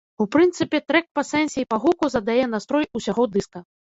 У прынцыпе, трэк па сэнсе і па гуку задае настрой усяго дыска.